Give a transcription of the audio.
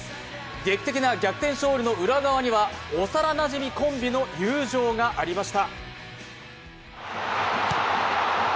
劇的な逆転勝利の裏側には幼なじみコンビの友情がありました。